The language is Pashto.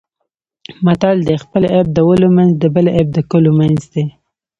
متل دی: خپل عیب د ولو منځ د بل عیب د کلو منځ دی.